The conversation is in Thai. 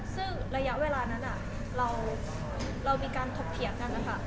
ซึ่งระยะเวลานั้นเรามีการถกเถียงกันนะคะ